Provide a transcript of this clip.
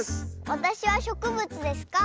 わたしはしょくぶつですか？